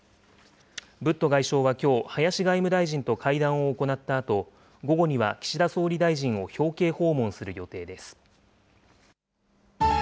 ブット外相はきょう、林外務大臣と会談を行ったあと、午後には岸田総理大臣を表敬訪問する予定です。